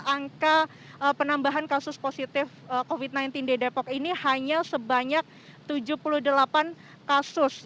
angka penambahan kasus positif covid sembilan belas di depok ini hanya sebanyak tujuh puluh delapan kasus